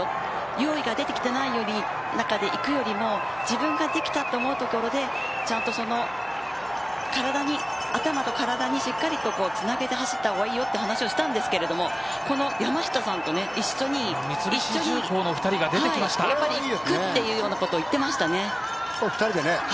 用意ができていない中で行くよりも自分が用意できたというときに頭と体にしっかりとつなげて走った方がいいという話をしたんですけどこの山下さんと一緒に行くというようなことを言っていました。